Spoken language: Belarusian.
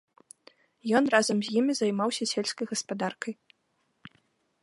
Ён разам з імі займаўся сельскай гаспадаркай.